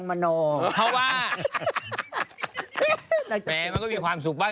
แม้มันก็มีความสุขบ้าง